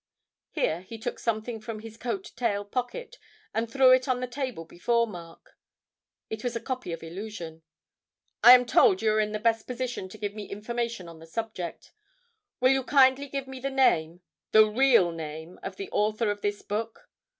Here he took something from his coat tail pocket, and threw it on the table before Mark it was a copy of 'Illusion.' 'I am told you are in the best position to give me information on the subject. Will you kindly give me the name the real name of the author of this book?